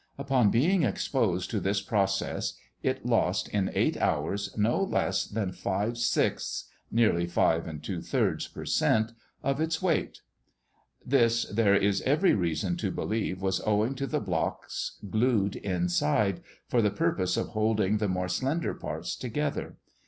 Upon being exposed to this process, it lost in eight hours no less than five sixths (nearly five and two thirds) per cent. of its weight. This there is every reason to believe was owing to the blocks glued inside, for the purpose of holding the more slender parts together.